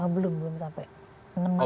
belum belum sampai